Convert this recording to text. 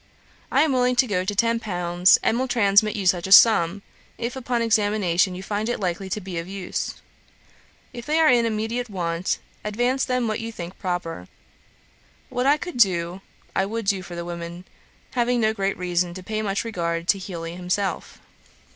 I am willing to go to ten pounds, and will transmit you such a sum, if upon examination you find it likely to be of use. If they are in immediate want, advance them what you think proper. What I could do, I would do for the women, having no great reason to pay much regard to Heely himself.